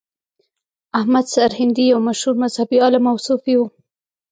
احمد سرهندي یو مشهور مذهبي عالم او صوفي و.